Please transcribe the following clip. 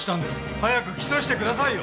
早く起訴してくださいよ！